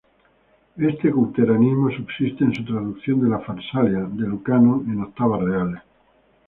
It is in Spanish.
Ese culteranismo subsiste en su traducción de "La Farsalia" de Lucano en octavas reales.